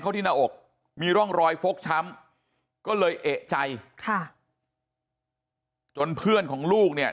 ที่หน้าอกมีร่องรอยฟกช้ำก็เลยเอกใจค่ะจนเพื่อนของลูกเนี่ย